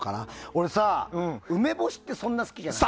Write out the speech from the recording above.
俺さ、梅干しってそんな好きじゃない。